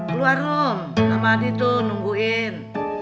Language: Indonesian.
keluar room sama adi tuh nungguin